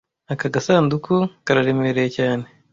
Aka gasanduku kararemereye cyane,